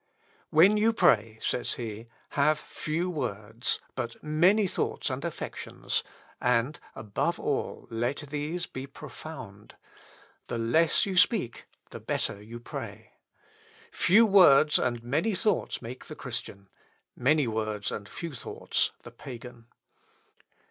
"When you pray," says he, "have few words, but many thoughts and affections, and, above all, let these be profound. The less you speak, the better you pray. Few words and many thoughts make the Christian, many words and few thoughts, the pagan.